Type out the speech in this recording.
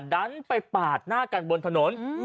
ดันไปปาดหน้ากันบนถนน